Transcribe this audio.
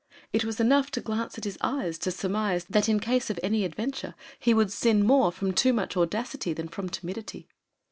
It was enough to glance at his eyes to surmise that in case of any adventure he would sin more from too much audacity than from timidity.